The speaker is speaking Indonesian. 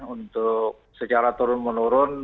untuk secara turun menurun